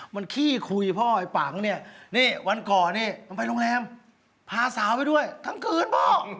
มันขี้คุยพ่อไอ้ปังเนี่ยนี่วันก่อนนี่มันไปโรงแรมพาสาวไปด้วยทั้งคืนพ่อ